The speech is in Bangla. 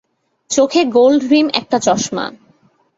চোখে গোন্ড রিম একটা চশমা।